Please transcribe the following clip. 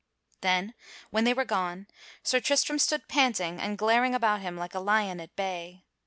Then, when they were gone, Sir Tristram stood panting and glaring about him like a lion at bay.